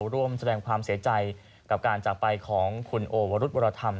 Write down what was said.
ร่วมแสดงความเสียใจกับการจากไปของคุณโอวรุธวรธรรม